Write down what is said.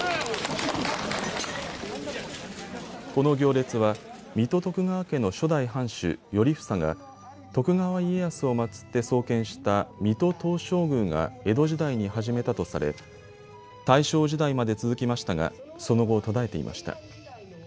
この行列は水戸徳川家の初代藩主、頼房が徳川家康を祭って創建した水戸東照宮が江戸時代に始めたとされ大正時代まで続きましたがその後途絶えていました。